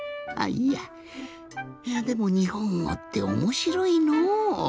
いやでもにほんごっておもしろいの。